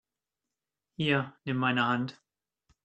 Hier, nimm meine Hand!